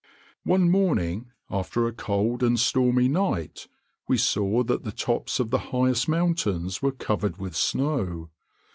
One morning, after a cold and stormy night, we saw that the tops of the highest mountains were covered with snow.